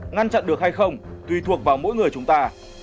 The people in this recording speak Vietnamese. ngăn chặn được hay không tùy thuộc vào mỗi người chúng ta